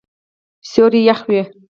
سیوری یخ وی